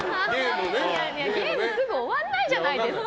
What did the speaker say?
ゲームすぐ終わらないじゃないですか。